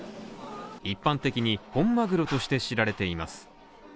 一般的に、本マグロとして知られています。